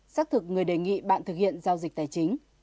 xác thực người đề nghị bạn thực hiện giao dịch tài chính